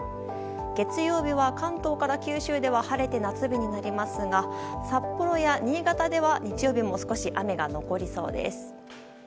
月曜日は関東から九州では晴れて夏日になりますが札幌や新潟では日曜日も少し雨が残りそうです。